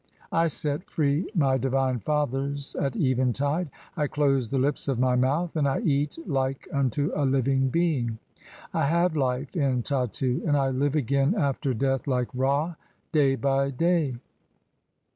"(5) I set free my divine fathers at eventide. I close the lips of "my mouth, and I eat like unto a living being. I have life (6) "in Tattu, and I live again after death like Ra dav by day."